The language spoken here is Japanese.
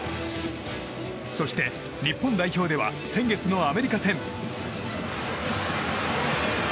そして、日本代表では先月のアメリカ戦。